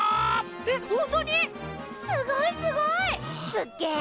すっげえ！